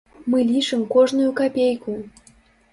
Мы лічым кожную капейку.